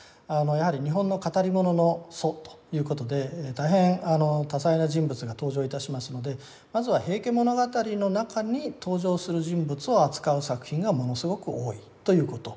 やはり日本の語り物の祖ということで大変多彩な人物が登場いたしますのでまずは「平家物語」の中に登場する人物を扱う作品がものすごく多いということ。